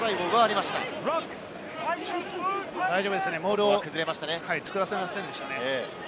大丈夫ですね、モールを作らせませんでしたね。